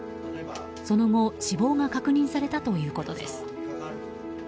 その後、死亡が確認されたということです。